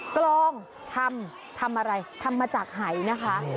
กลองทำทำอะไรทำมาจากหายนะคะ